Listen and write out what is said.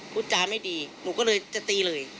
พูดจาไม่ดีหนูก็เลยจะตีเลย